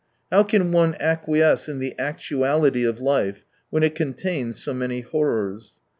How can one acquiesce in the actuality of life, when it contains so many horrors